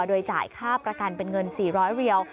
โดยจ่ายค่าประกันเป็นเงิน๔๐๐เรียว